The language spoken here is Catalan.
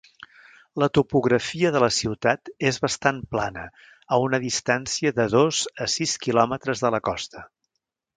La topografia de la ciutat és bastant plana a una distància de dos a sis quilòmetres de la costa.